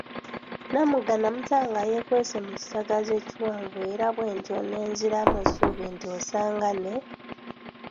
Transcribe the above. Namugga namuzuula nga yeekwese mu kisagazi ekikwafu era bwentyo nenziramu essuubi nti osanga ne